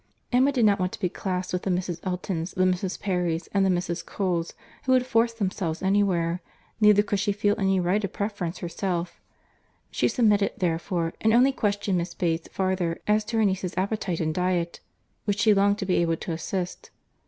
Emma did not want to be classed with the Mrs. Eltons, the Mrs. Perrys, and the Mrs. Coles, who would force themselves anywhere; neither could she feel any right of preference herself—she submitted, therefore, and only questioned Miss Bates farther as to her niece's appetite and diet, which she longed to be able to assist.